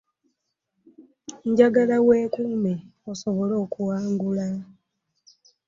Njagala weekuume osobole okuwangula.